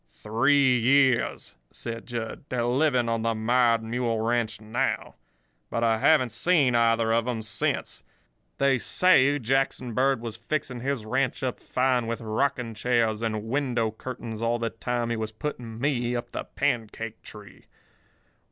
"Three years," said Jud. "They're living on the Mired Mule Ranch now. But I haven't seen either of 'em since. They say Jackson Bird was fixing his ranch up fine with rocking chairs and window curtains all the time he was putting me up the pancake tree.